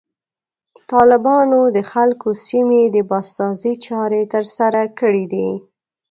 طالبانو د ځینو سیمو د بازسازي چارې ترسره کړي دي.